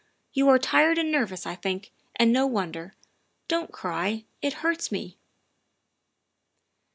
You are tired and nervous, I think, and no wonder. Don 't cry ; it hurts me.